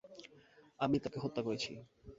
আমিই তাকে হত্যা করেছি।